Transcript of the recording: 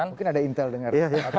mungkin ada intel denger